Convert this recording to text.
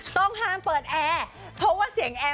ต้องห้ามเปิดแอร์เพราะว่าเสียงแอร์